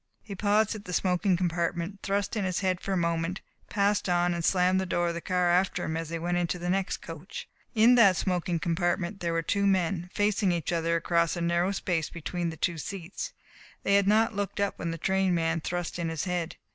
He paused at the smoking compartment, thrust in his head for a moment, passed on and slammed the door of the car after him as he went into the next coach. In that smoking compartment there were two men, facing each other across the narrow space between the two seats. They had not looked up when the train man thrust in his head.